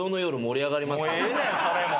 もうええねんそれも。